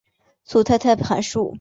组态态函数。